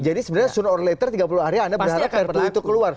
jadi sebenarnya sooner or later tiga puluh hari anda berharap perpu itu keluar